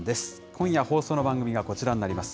今夜放送の番組がこちらになります。